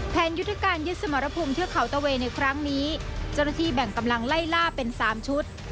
แผนยุทธการยึดสมรพลุมเพื่อเขาเตอร์เวย์ในครั้งนี้เจรถีแบ่งกำลังไล่ล่าเป็น๓ชุด